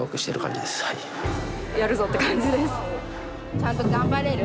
ちゃんと頑張れる？